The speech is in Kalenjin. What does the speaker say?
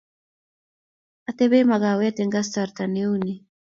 Atepe makawet eng kasarta ne uu ni